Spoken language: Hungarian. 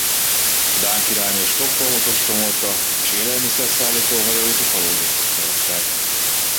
A dán királynő Stockholmot ostromolta és élelmiszer szállító hajóit a kalózok fosztogatták.